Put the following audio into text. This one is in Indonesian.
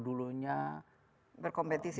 dulu nya berkompetisi